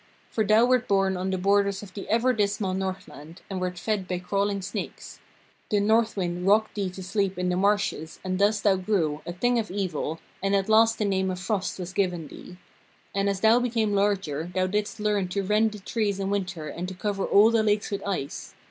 For thou wert born on the borders of the ever dismal Northland, and wert fed by crawling snakes. The Northwind rocked thee to sleep in the marshes, and thus thou grew, a thing of evil, and at last the name of Frost was given thee. And as thou became larger, thou didst learn to rend the trees in winter and to cover all the lakes with ice.